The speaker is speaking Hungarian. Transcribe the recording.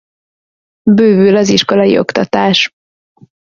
Bővül az iskolai oktatás.